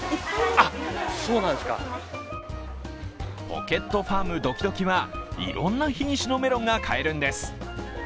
ポケットファームどきどきは、いろんな品種のメロンが買えるんです。